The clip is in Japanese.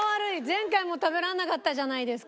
前回も食べられなかったじゃないですか。